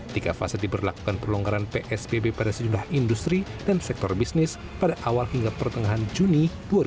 tiga fase diberlakukan perlonggaran psbb pada sejumlah industri dan sektor bisnis pada awal hingga pertengahan juni dua ribu dua puluh